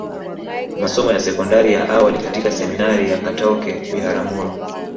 Masomo ya sekondari ya awali katika Seminari ya Katoke Biharamulo